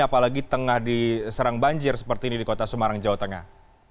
apalagi tengah diserang banjir seperti ini di kota semarang jawa tengah